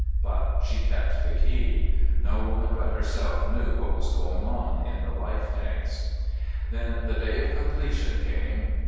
But she kept the key. No woman but herself knew what was going on in the life tanks. Then the day of completion came.